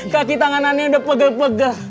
kaki tanganannya udah pegel pegel